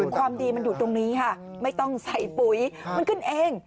ความดีมันอยู่ตรงนี้ค่ะไม่ต้องใส่ปุ๋ยมันขึ้นเอง